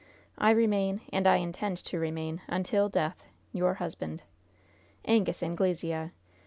I remain, and I intend to remain, until death, your husband, Angus Anglesea.